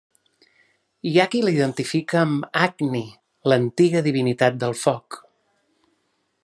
Hi ha qui l'identifica amb Agni, l'antiga divinitat del foc.